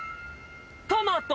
トマト。